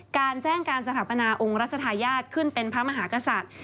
การแจ้งการสถาปนาองค์รัชธาญาติขึ้นเป็นพระมหากษัตริย์